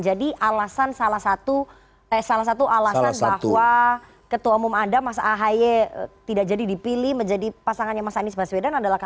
jadi alasan salah satu salah satu alasan bahwa ketua umum anda mas ahaye tidak jadi dipilih menjadi pasangannya mas anies baswedan adalah karena faktor elektoral